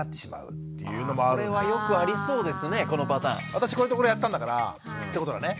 「私これとこれやったんだから」ってことだね。